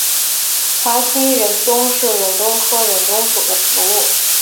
华西忍冬是忍冬科忍冬属的植物。